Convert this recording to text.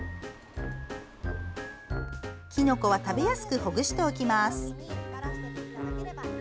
きのこは食べやすくほぐしておきます。